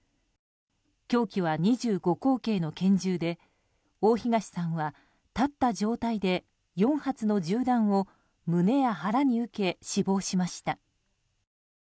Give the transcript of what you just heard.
凶器は２５口径の拳銃で大東さんは立った状態で４発の銃弾を胸や腹に受け死亡しました。